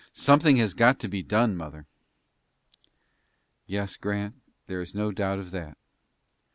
Something has got to be done, mother." "Yes, Grant, there is no doubt of that.